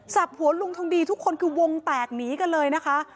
หัวลุงทองดีทุกคนคือวงแตกหนีกันเลยนะคะ